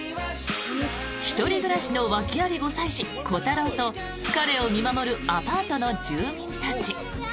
１人暮らしの訳あり５歳児コタローと彼を見守るアパートの住民たち。